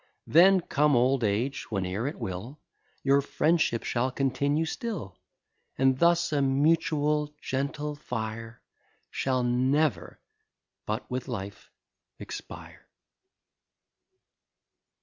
Then come old age whene'er it will, Your friendship shall continue still: And thus a mutual gentle fire Shall never but with life expire.